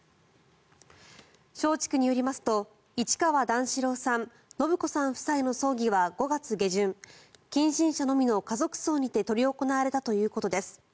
松竹によりますと市川段四郎さん延子さん夫妻の葬儀は５月下旬近親者のみの家族葬にて執り行われたということです。